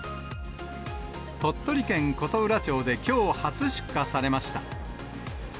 鳥取県琴浦町できょう初出荷されました。